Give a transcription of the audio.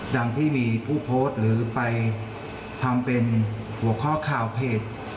ดังที่มีผู้โพสต์หรือไปทำเป็นหัวข้อข่าวเพจ